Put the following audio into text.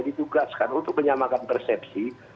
ditugaskan untuk menyamakan persepsi